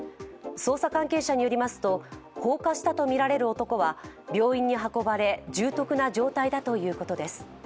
捜査関係者によりますと放火したとみられる男は病院に運ばれ、重篤な状態だということです。